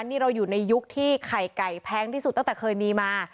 นี่เราอยู่ในยุคที่ไข่ไก่แพงที่สุดตั้งแต่เคยมีมา